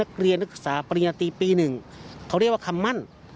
เขาเรียกว่าคำมั่น